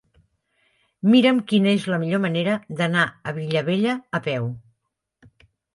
Mira'm quina és la millor manera d'anar a Vilabella a peu.